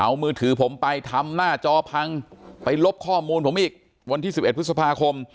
เอามือถือผมไปทำหน้าจอพังไปลบข้อมูลผมอีกวันที่๑๑พฤษภาคม